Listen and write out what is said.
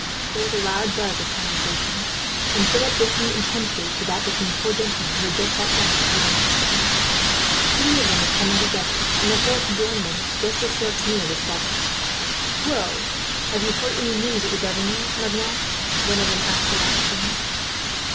There was a loud buzz of conversation, and Philip listened attentively to that between four gentlemen who had just sat down at the next table to him. Three of them had come in together, and the fourth joined them, just as Philip's meal was brought to him. "Well, have you heard any news at the governor's, Maignan?" one of them asked the last comer.